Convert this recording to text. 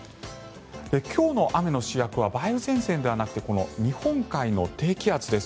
今日の雨の主役は梅雨前線ではなくてこの日本海の低気圧です。